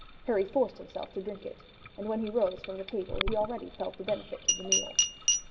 Harry forced himself to drink it, and when he rose from the table he already felt the benefit of the meal.